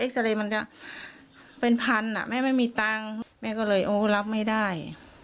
ซาเรย์มันก็เป็นพันอ่ะแม่ไม่มีตังค์แม่ก็เลยโอ้รับไม่ได้